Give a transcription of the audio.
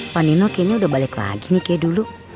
panino kayaknya udah balik lagi nih kayak dulu